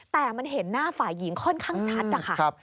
แต่มันเห็นหน้าฝ่ายหญิงค่อนข้างชัดนะคะ